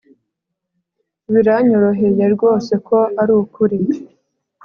biranyoroheye rwose ko arukuri